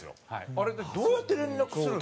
あれってどうやって連絡するの？